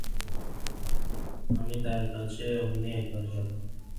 আমি তাঁর কাছে অমনি একবার যাব।